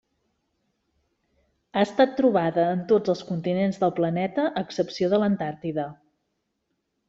Ha estat trobada en tots els continents del planeta, a excepció de l'Antàrtida.